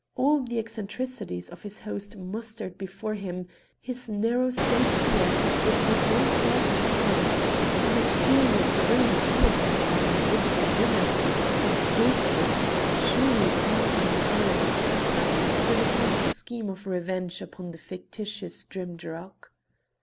All the eccentricities of his host mustered before him his narrow state here with but one servant apparent, a mysterious room tenanted by an invisible woman, and his coldness surely far from the Highland temper to the Count's scheme of revenge upon the fictitious Drimdarroch.